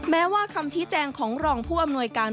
แม้ว่าคำชี้แจงของรองผู้อำนวยการ